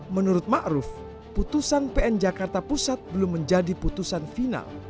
menurut ma'ruf putusan pn jakarta pusat belum menjadi putusan final